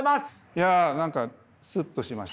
いや何かすっとしました。